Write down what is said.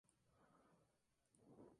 Las nuevas hojas son rojas.